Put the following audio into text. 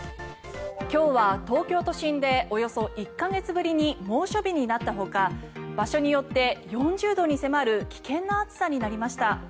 今日は東京都心でおよそ１か月ぶりに猛暑日になったほか場所によって４０度に迫る危険な暑さになりました。